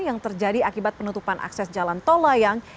yang terjadi akibat penutupan akses jalan tol layang